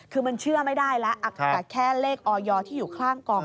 คือมันเชื่อไม่ได้แล้วแต่แค่เลขออยที่อยู่ข้างกอง